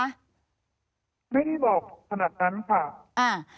ไม่ได้บอกขนาดนั้นค่ะอ่า